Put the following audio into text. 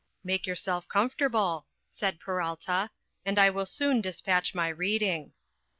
"Make yourself comfortable," said Peralta; "and I will soon despatch my reading."